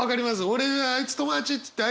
俺が「あいつ友達」っつってあ